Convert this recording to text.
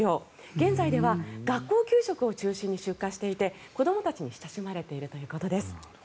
現在では学校給食を中心に出荷していて子どもたちに親しまれているということです。